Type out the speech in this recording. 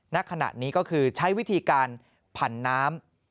ณขณะนี้ก็คือใช้วิธีการผันน้ำ